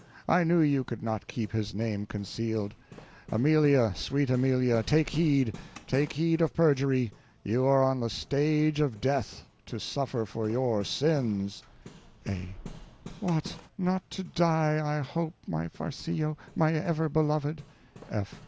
I knew you could not keep his name concealed. Amelia, sweet Amelia, take heed, take heed of perjury; you are on the stage of death, to suffer for your sins. A. What, not to die I hope, my Farcillo, my ever beloved. F.